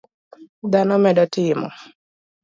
Dhano medo timo